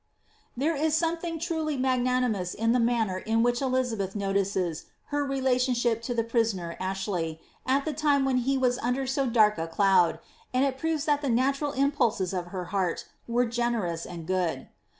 There u something truly iiikgnaDimoui in the manner in which Eli* zsbetfa noticea her relationship to the prisoner Aabley, at the time when he was under *o dark a cloud, and it proves that the nalurel impulses of her heart were generous and good.